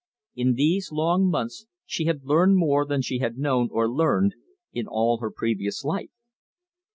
In these long months she had learned more than she had known or learned in all her previous life.